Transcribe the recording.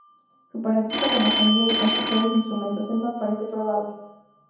Su parentesco con la familia de constructores de instrumentos Selma parece probable.